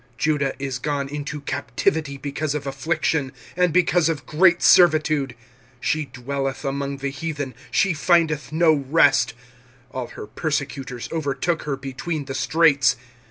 25:001:003 Judah is gone into captivity because of affliction, and because of great servitude: she dwelleth among the heathen, she findeth no rest: all her persecutors overtook her between the straits.